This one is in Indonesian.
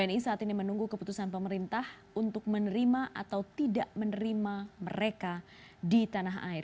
tni saat ini menunggu keputusan pemerintah untuk menerima atau tidak menerima mereka di tanah air